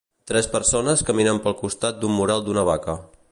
Tres persones caminen pel costat d'un mural d'una vaca.